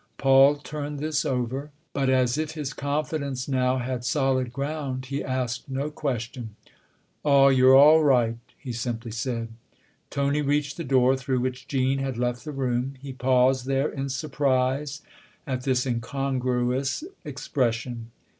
Paul turned this over; but as if his confidence now had solid ground he asked no question. " Ah, you're all right !" he simply said. Tony reached the door through which Jean had left the room ; he paused there in surprise at this incongruous expression.